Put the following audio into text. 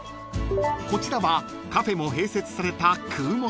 ［こちらはカフェも併設された］